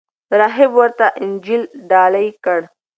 راهب ورته انجیل ډالۍ کړ.